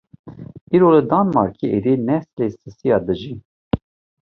Îro li Danmarkê êdî neslî sisêya dijî!